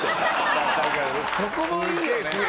だからそこもいいよね。